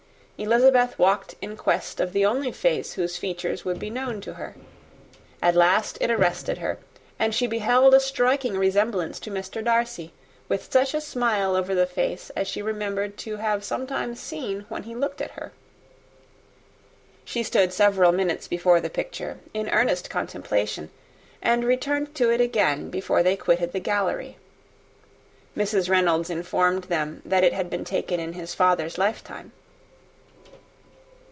Elizabeth walked on in quest of the only face whose features would be known to her. At last it arrested her and she beheld a striking resemblance of Mr. Darcy, with such a smile over the face, as she remembered to have sometimes seen, when he looked at her. She stood several minutes before the picture, in earnest contemplation, and returned to it again before they quitted the gallery. Mrs. Reynolds informed them, that it had been taken in his father's lifetime.